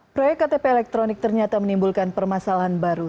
proyek ktp elektronik ternyata menimbulkan permasalahan baru